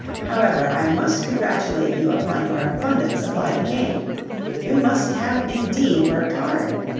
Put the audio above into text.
However, I must congratulate you upon your abundant supply of game; you must have indeed worked hard.